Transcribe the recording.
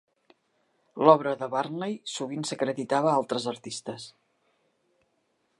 L'obra de Burnley sovint s'acreditava a altres artistes.